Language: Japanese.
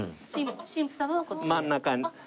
真ん中に。